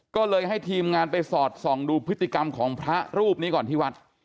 ก็เลยให้ทีมงานไปสอดส่องดูพฤติกรรมของพระรูปนี้ก่อนที่วัด